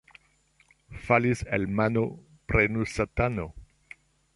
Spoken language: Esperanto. Falis el mano — prenu satano.